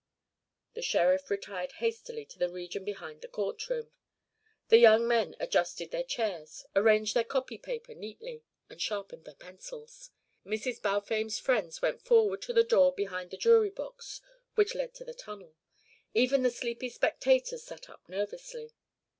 The sheriff retired hastily to the region behind the court room. The young men adjusted their chairs, arranged their copy paper neatly, and sharpened their pencils. Mrs. Balfame's friends went forward to the door behind the jury box which led to the tunnel. Even the sleepy spectators sat up nervously.